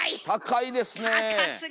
高いですね。